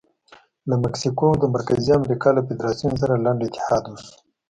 له مکسیکو او د مرکزي امریکا له فدراسیون سره لنډ اتحاد وشو.